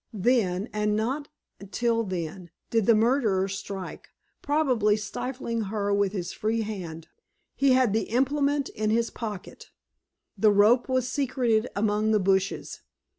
Then, and not till then, did the murderer strike, probably stifling her with his free hand. He had the implement in his pocket. The rope was secreted among the bushes.